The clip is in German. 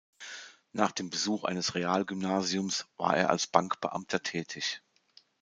Nach dem Besuch eines Realgymnasiums war er als Bankbeamter tätig.